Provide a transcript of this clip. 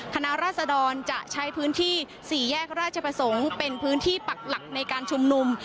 ราศดรจะใช้พื้นที่๔แยกราชประสงค์เป็นพื้นที่ปักหลักในการชุมนุม